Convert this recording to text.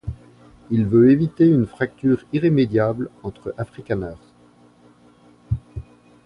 Il veut éviter une fracture irrémédiable entre Afrikaners.